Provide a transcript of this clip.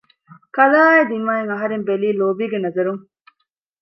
ކަލާއާއި ދިމާއަށް އަހަރެން ބެލީ ލޯބީގެ ނަޒަރުން